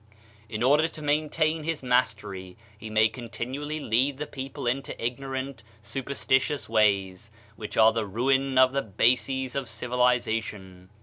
In order to maintain his mastery, he may continually lead the people into ignorant, superstitious ways, which are the ruin of the bases of civilization.